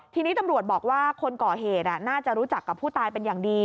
ทีนี้ตำรวจบอกว่าคนก่อเหตุน่าจะรู้จักกับผู้ตายเป็นอย่างดี